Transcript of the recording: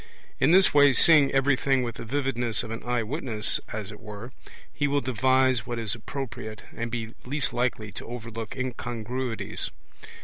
In this way, seeing everything with the vividness of an eye witness as it were, he will devise what is appropriate, and be least likely to overlook incongruities.